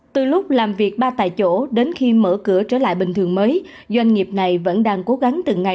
từ lúc làm việc ba tại chỗ đến khi mở cửa trở lại bình thường mới doanh nghiệp này vẫn đang cố gắng từng ngày